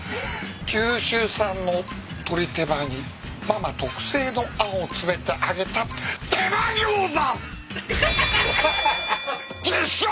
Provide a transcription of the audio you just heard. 九州産の鶏手羽にママ特製のあんを詰めて揚げた手羽ぎょうざ！